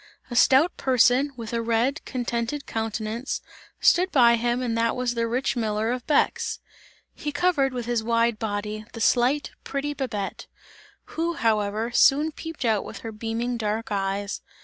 A stout person, with a red, contented countenance, stood by him and that was the rich miller of Bex. He covered with his wide body, the slight pretty Babette, who however, soon peeped out with her beaming dark eyes.